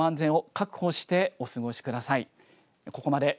身の安全を確保してお過ごしください。